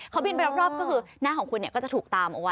เขาบินไปรอบก็คือหน้าของคุณเนี่ยก็จะถูกตามเอาไว้